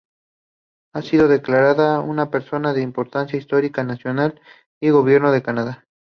Ha sido declarada "una persona de importancia histórica nacional" por el Gobierno de Canadá.